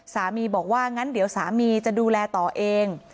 สามีบอกว่างั้นเดี๋ยวสามีจะดูแลต่อเอง